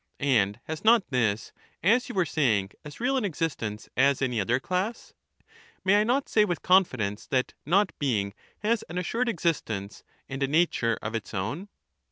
And has not this, as you were sa3dng, as real an Not being existence as any other class ? May I not say with confidence ^^^^^ that not being has an assured existence, and a nature of its own?